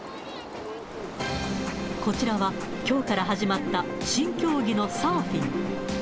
こちらは、きょうから始まった新競技のサーフィン。